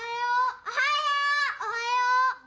おはよう！